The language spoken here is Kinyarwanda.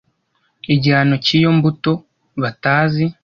igihano cy’iyo mbuto batazi